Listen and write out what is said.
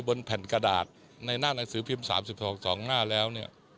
บนแผ่นกระดาษในหน้านังสือพิมพ์๓๒สองหน้าแล้ว